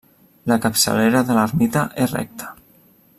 La capçalera de l'ermita és recta.